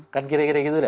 kan kira kira gitu